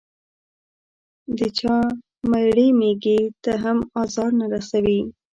د چا مړې مېږې ته هم ازار نه رسوي.